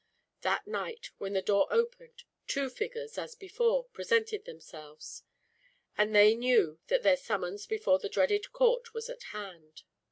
That night, when the door opened, two figures, as before, presented themselves; and they knew that their summons before the dreaded court was at hand.